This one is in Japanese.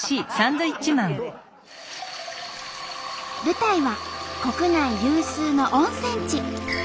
舞台は国内有数の温泉地